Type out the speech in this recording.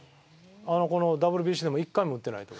このＷＢＣでも１回も打ってないと思う。